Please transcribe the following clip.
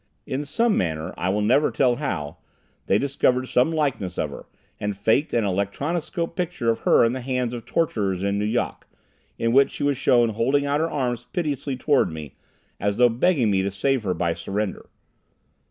In some manner, I will never tell how, they discovered some likeness of her, and faked an electronoscopic picture of her in the hands of torturers in Nu Yok, in which she was shown holding out her arms piteously toward me, as though begging me to save her by surrender.